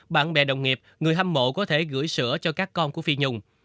bạn bè đồng nghiệp người hâm mộ có thể gửi sữa cho các con của phi nhung